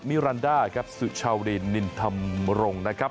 รันดาครับสุชาวรินนินธรรมรงค์นะครับ